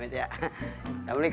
tadi kan udah salam nih